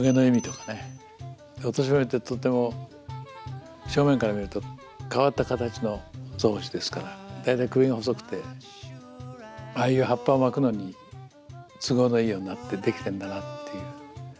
オトシブミってとっても正面から見ると変わった形のゾウムシですから大体首が細くてああいう葉っぱを巻くのに都合のいいようになってできてるんだなっていう。